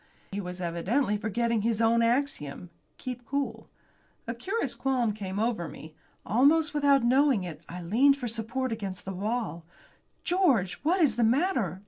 He was evidently forgetting his own axiom keep cool. A curious qualm came over me. Almost without knowing it I leaned for support against the wall. "George! What is the matter?